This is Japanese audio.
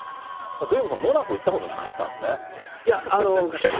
デーブさん、モナコ行ったことなかったんだね。